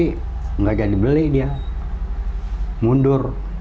tidak jadi beli dia mundur